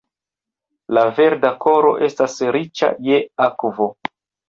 La Verda Koro estas riĉa je akvo.